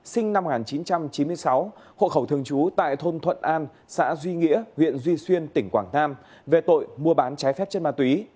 sinh năm một nghìn chín trăm chín mươi sáu hộ khẩu thường trú tại thôn thuận an xã duy nghĩa huyện duy xuyên tỉnh quảng nam về tội mua bán trái phép chất ma túy